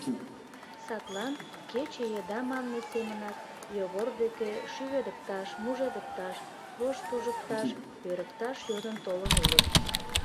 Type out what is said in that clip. Садлан, кече еда манме семынак, Йогор деке шӱведыкташ, мужедыкташ, воштужыкташ, пӧрыкташ йодын толын улыт.